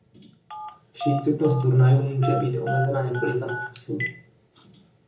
Přístupnost turnajů může být omezena několika způsoby.